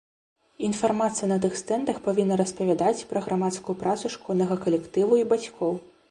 Інфармацыя на тых стэндах павінна распавядаць пра грамадскую працу школьнага калектыву і бацькоў.